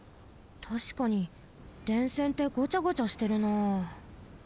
たしかに電線ってごちゃごちゃしてるなあ。